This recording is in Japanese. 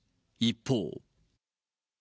一方。